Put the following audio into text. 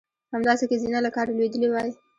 همداسې که زینه له کاره لوېدلې وای.